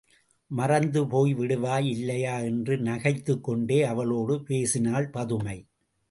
மறந்தே போய் விடுவாய் இல்லையா? என்று நகைத்துக் கொண்டே அவளோடு பேசினாள் பதுமை.